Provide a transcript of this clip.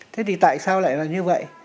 thế thì tại sao lại là như vậy